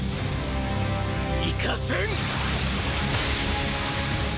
行かせん！